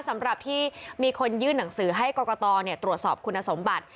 สำหรับที่มีคนยื่นหนังสือให้กรกตตรวจสอบคุณสมบัติ